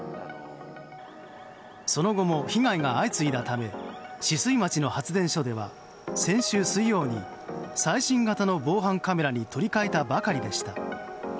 その後も被害が相次いだため酒々井町の発電所では先週水曜に最新型の防犯カメラに取り換えたばかりでした。